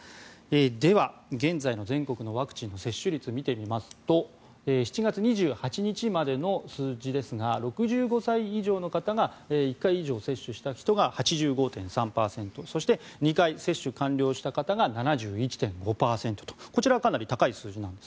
では、現在の全国のワクチンの接種率を見てみますと７月２８日までの数字ですが６５歳以上の方が１回以上接種した人が８５．３％そして、２回接種完了した人が７１．５％とこちらはかなり高い数字なんです。